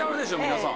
皆さん。